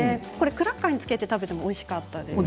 クラッカーにつけて食べてもおいしかったです。